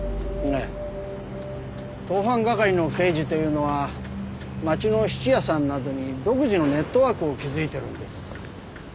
ええ盗犯係の刑事というのは街の質屋さんなどに独自のネットワークを築いているんです。